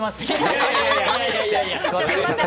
いやいやいやいや。